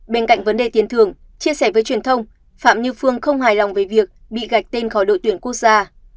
bên cạnh vấn đề tiền thưởng chia sẻ với truyền thông phạm như phương không hài lòng về việc bị gạch tên khỏi đội tuyển quốc gia